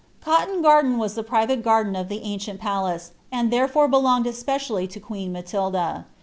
Coiton garden was the private garden of the uicteai {niaee, and therefore belonged especially lo queen Matilda.